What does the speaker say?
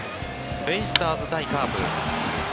ベイスターズ対カープ。